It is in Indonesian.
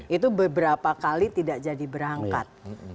itu beberapa kali tidak jadi berangkat